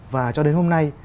và cho đến hôm nay